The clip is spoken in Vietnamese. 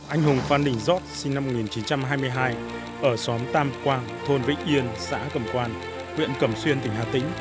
anh hùng phan đình giót sinh năm một nghìn chín trăm hai mươi hai ở xóm tam quang thôn vĩnh yên xã cẩm quang huyện cầm xuyên tỉnh hà tĩnh